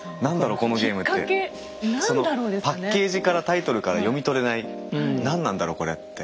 そのパッケージからタイトルから読み取れない何なんだろうこれって。